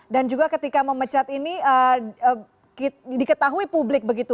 dan juga ketika memecat ini diketahui publik begitu